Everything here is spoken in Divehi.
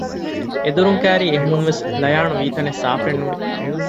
އެދުރުން ކައިރީ އެހުމުންވެސް ލަޔާނު ވީތަނެއް ސާފެއްނުވި